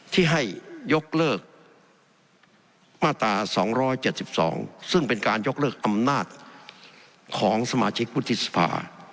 ที่ให้ยกเลิกมาตรา๒๗๒ซึ่งเป็นการยกเลิกอำนาจของสมาชิกวุฒิสภา